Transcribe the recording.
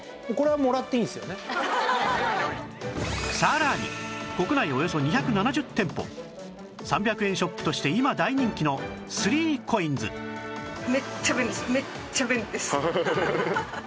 さらに国内およそ２７０店舗３００円ショップとして今大人気の ３ＣＯＩＮＳハハハハッ！